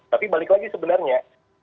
tapi balik lagi sebenarnya